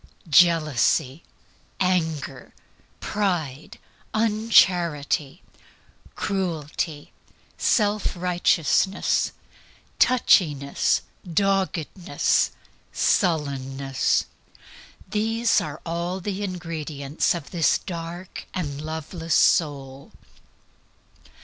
Jealousy, anger, pride, uncharity, cruelty, self righteousness, touchiness, doggedness, sullenness these are the ingredients of this dark and loveless soul.